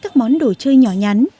các món đồ chơi nhỏ nhắn